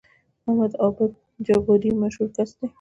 محمد عابد جابري مشهور کس دی